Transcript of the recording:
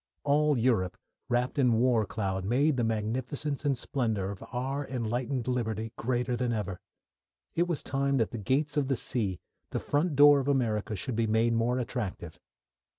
All Europe wrapped in war cloud made the magnificence and splendour of our enlightened liberty greater than ever. It was time that the gates of the sea, the front door of America, should be made more attractive.